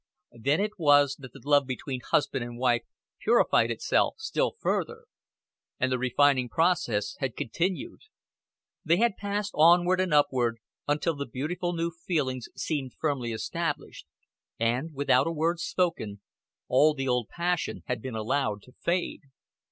Then it was that the love between husband and wife purified itself still further; and the refining process had continued; they had passed onward and upward until the beautiful new feelings seemed firmly established, and, without a word spoken, all the old passion had been allowed to fade.